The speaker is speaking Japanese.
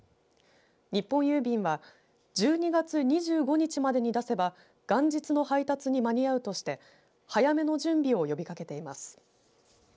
日本郵便は１２月２５日までに出せば元日の配達に間に合うとして早めの準備を呼びかけています。